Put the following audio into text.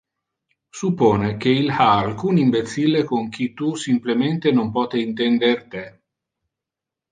Suppone que il ha alcun imbecille con qui tu simplemente non pote intender te.